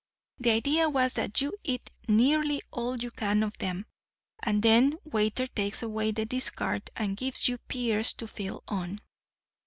The idea was that you eat nearly all you can of them, and then the waiter takes away the discard and gives you pears to fill on.